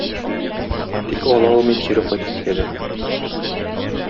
Тик ала алмый кире кайтып китәләр.